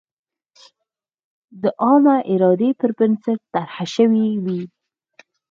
د عامه ارادې پر بنسټ طرحه شوې وي.